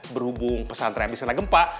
berhubung pesantren abis ragempa